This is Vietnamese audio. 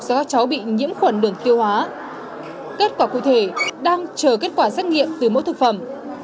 do các cháu bị nhiễm khuẩn đường tiêu hóa kết quả cụ thể đang chờ kết quả xét nghiệm từ mẫu thực phẩm